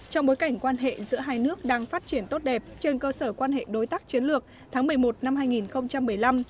trong bối cảnh quan hệ giữa hai nước đang phát triển tốt đẹp trên cơ sở quan hệ đối tác chiến lược tháng một mươi một năm hai nghìn một mươi năm